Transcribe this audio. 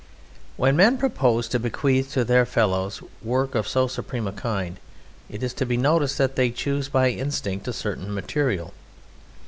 When men propose to bequeath to their fellows work of so supreme a kind it is to be noticed that they choose by instinct a certain material.